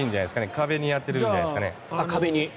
壁に当てるんじゃないですか。